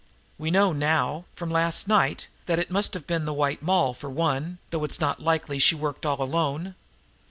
We know now, from last night, that it must have been the White Moll, for one, though it's not likely she worked all alone.